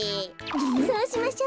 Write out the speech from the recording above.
そうしましょう。